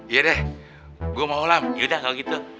yaudah gue mau lam yaudah kalau gitu